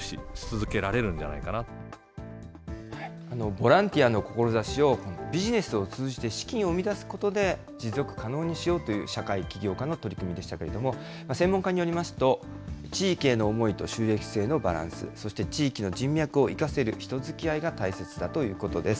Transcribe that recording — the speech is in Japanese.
ボランティアの志を、ビジネスを通じて資金を生み出すことで、持続可能にしようという社会起業家の取り組みでしたけれども、専門家によりますと、地域への思いと収益性のバランス、そして地域の人脈を生かせる人づきあいが大切だということです。